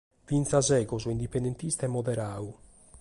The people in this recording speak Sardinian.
Finas deo so indipendentista e moderadu.